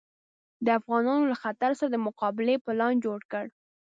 د افغانانو له خطر سره د مقابلې پلان جوړ کړ.